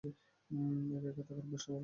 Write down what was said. একা-একা থাকার অভ্যেসটা ভালো না।